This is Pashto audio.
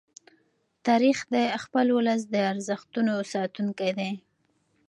تاریخ د خپل ولس د ارزښتونو ساتونکی دی.